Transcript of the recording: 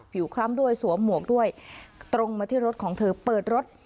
คล้ำด้วยสวมหมวกด้วยตรงมาที่รถของเธอเปิดรถ